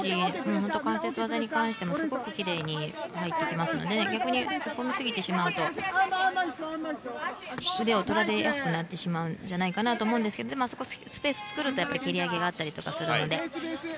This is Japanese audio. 本当に関節技に関してもすごくきれいに入るので逆に、突っ込みすぎると腕を取られやすくなるんじゃないかと思いますがでも、スペースを作ると蹴り上げがあったりするので。